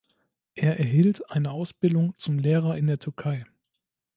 Er erhielt eine Ausbildung zum Lehrer in der Türkei.